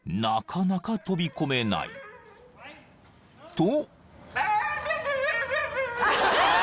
［と］